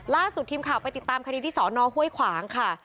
ล่าสุดทีมข่าวไปติดตามคดีที่สอนอห้วยขวางค่ะ